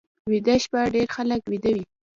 ویده شپه ډېر خلک ویده وي